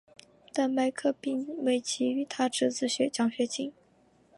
但麦克并未给予他侄子奖学金。